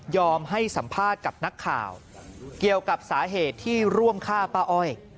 ให้สัมภาษณ์กับนักข่าวเกี่ยวกับสาเหตุที่ร่วมฆ่าป้าอ้อย